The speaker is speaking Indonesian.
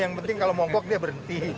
yang penting kalau monggok dia berhenti